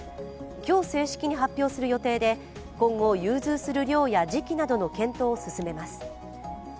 今日、正式に発表する予定で、今後、融通する量や時期などの検討を進めます。